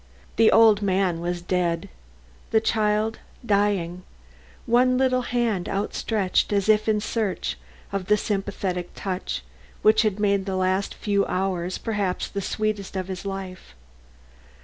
The old man was dead, the child dying, one little hand outstretched as if in search of the sympathetic touch which had made the last few hours perhaps the sweetest of his life.